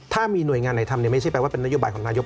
ถ้ามีหน่วยงานไหนทำเนี่ยไม่ใช่แปลว่าเป็นนโยบายของนายก